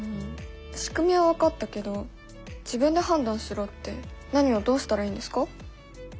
しくみは分かったけど自分で判断しろって何をどうしたらいいんですか？